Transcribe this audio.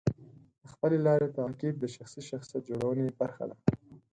د خپلې لارې تعقیب د شخصي شخصیت جوړونې برخه ده.